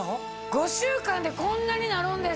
５週間でこんなになるんですか？